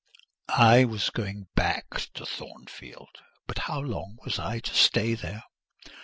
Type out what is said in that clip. I was going back to Thornfield: but how long was I to stay there?